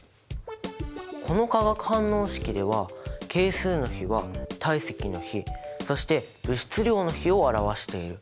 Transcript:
この化学反応式では係数の比は体積の比そして物質量の比を表している。